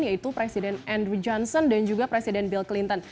yaitu presiden andrew johnson dan juga presiden bill clinton